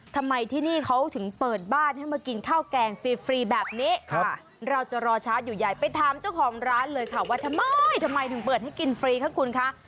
ทำไมที่นี่เขาถึงเปิดบ้านให้มากินข้าวแกงฟรีแบบนี้เราจะรอชาร์จอยู่ใหญ่ไปถามเจ้าของร้านเลยค่ะว่าทำไมทำไมถึงเปิดให้กินฟรีคะคุณคะ